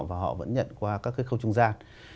và họ vẫn nhận qua các cái khâu trung gian